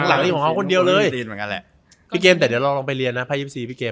จะออกมาเปิดไพล์ทำนายหลทรมาณนักภาษีนี้เลย